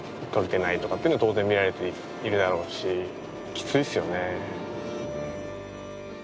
きついっすよね。